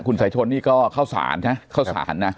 คุณสายชนนี่ก็เข้าสารนะ